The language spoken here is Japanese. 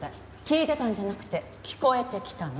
聞いてたんじゃなくて聞こえてきたの。